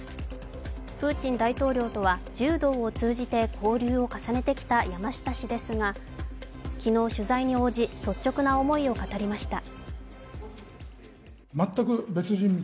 プーチン大統領とは柔道を通じて交流を重ねてきた山下氏ですが昨日取材に応じ率直な思いを語りました。